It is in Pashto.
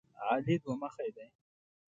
علي دوه مخی دی.